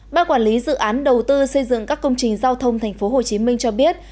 ban quản lý dự án đầu tư xây dựng các công trình giao thông tp hcm cho biết